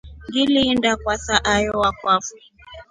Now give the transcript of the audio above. Ngiliinda kwa saayo wakwafo.